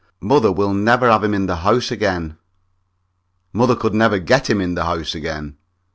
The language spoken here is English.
Mother will never have him in the house again. Mother could never get him in the house again.